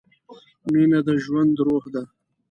مینه د ژوند روح ده.